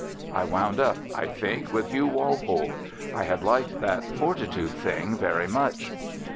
I wound up, I think, with Hugh Walpole. I had liked that "Fortitude" thing very much.